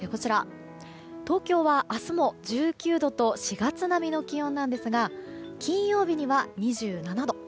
東京は明日も１９度と４月並みの気温なんですが金曜日は２７度。